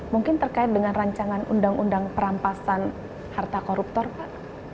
mungkin terkait dengan rancangan undang undang perampasan harta koruptor pak